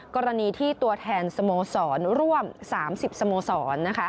กรณีที่ตัวแทนสโมสรร่วม๓๐สโมสร